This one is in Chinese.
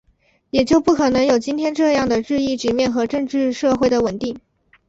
也就不可能有今天这样的治疫局面和政治社会的稳定